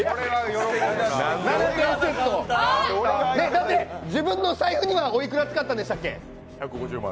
だって自分の財布にはおいくら使ったんでしたっけ？